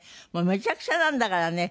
めちゃくちゃなんだからね。